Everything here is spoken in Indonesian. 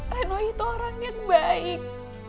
anway itu orang yang baik